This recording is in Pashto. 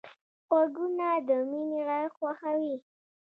غوږونه د مینې غږ خوښوي